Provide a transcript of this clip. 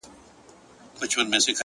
• پرون مي دومره درته وژړله؛